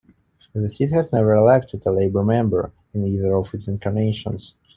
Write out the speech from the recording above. The seat has never elected a Labor member in either of its incarnations.